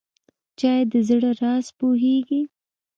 چای د زړه راز پوهیږي.